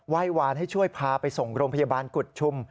ยวานให้ช่วยพาไปส่งโรงพยาบาลกุฎชุม